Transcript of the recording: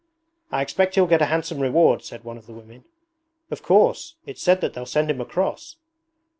'I expect he'll get a handsome reward,' said one of the women. 'Of course. It's said that they'll send him a cross.'